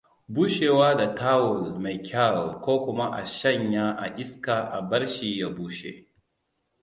Bushewa da tawul mai kyaw kokuma a shanya a iska a barshi ya bushe.